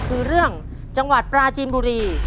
คือเรื่องจังหวัดปราจีนบุรี